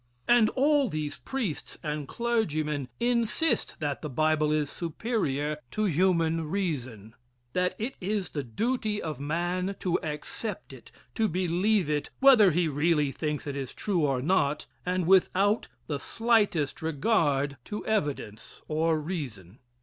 And all these priests and clergymen insist that the Bible is superior to human reason that it is the duty of man to accept it to believe it, whether he really thinks it is true or not, and without the slightest regard to evidence or reason.